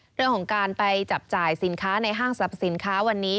เรื่องของการไปจับจ่ายสินค้าในห้างสรรพสินค้าวันนี้